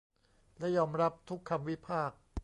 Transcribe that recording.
และยอมรับทุกคำวิพากษ์